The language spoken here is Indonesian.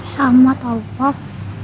sama tau pak